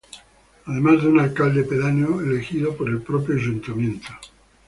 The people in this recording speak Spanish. Además de un alcalde pedáneo elegido por el propio ayuntamiento..